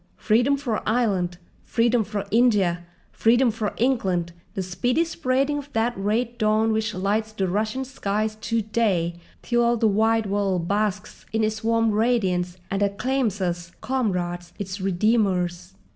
Freedom for Ireland, freedom for India, freedom for England, the speedy spreading of that red dawn which lights the Russian skies to day, till all the wide world basks in its warm radiance and acclaims us, comrades, its redeemers!"